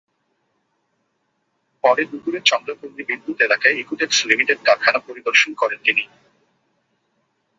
পরে দুপুরে চন্দ্রা পল্লী বিদ্যুৎ এলাকায় ইকুটেক্স লিমিটেড কারখানা পরিদর্শন করেন তিনি।